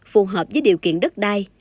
phù hợp với điều kiện đất đai